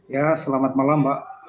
ya selamat malam pak